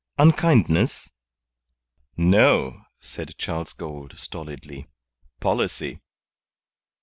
"Unkindness?" "No," said Charles Gould, stolidly. "Policy."